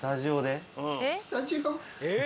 えっ？